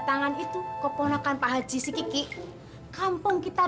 enak aja gua akan paling cakep tau